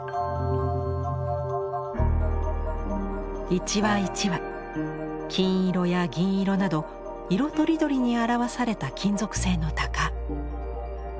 一羽一羽金色や銀色など色とりどりに表された金属製の鷹。